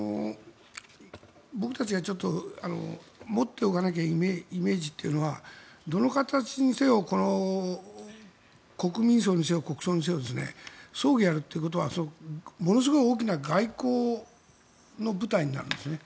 僕たちが持っておかなきゃいけないイメージというのはどの形にせよこの国民葬にせよ国葬にせよ葬儀をやるということはものすごい大きな外交の舞台になるんですね。